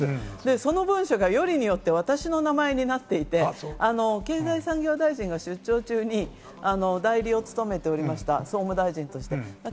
その文書がよりによって私の名前になっていて、経済産業大臣が出張中に代理を務めておりました、総務大臣として。